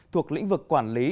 thuộc lĩnh vực quản lý